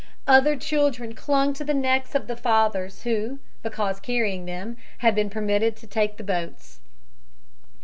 Other children clung to the necks of the fathers who, because carrying them, had been permitted to take the boats.